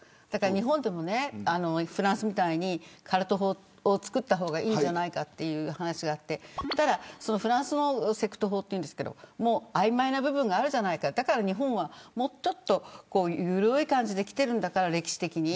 日本でもフランスみたいにカルト法を作った方がいいんじゃないかという話があってただ、フランスのセクト法というんですが曖昧な部分があるじゃないか日本は、もう少し緩い感じできているんだから、歴史的に。